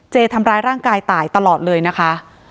ทำร้ายร่างกายตายตลอดเลยนะคะ